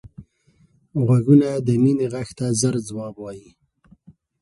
غوږونه د مینې غږ ته ژر ځواب وايي